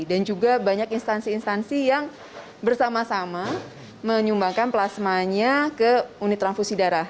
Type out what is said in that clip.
dan juga banyak instansi instansi yang bersama sama menyumbangkan plasmanya ke unit transfusi darah